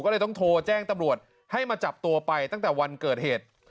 ก็เลยต้องโทรแจ้งตำรวจให้มาจับตัวไปตั้งแต่วันเกิดเหตุ